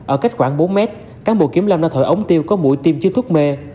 ở cách khoảng bốn mét cán bộ kiểm lâm đã thổi ống tiêu có mũi tim chứa thuốc mê